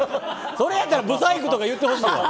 それやったらブサイクとか言うてほしいわ！